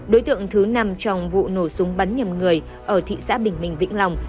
đối tượng thứ năm trong vụ nổ súng bắn nhầm người ở thị xã bình minh vĩnh long